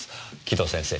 城戸先生。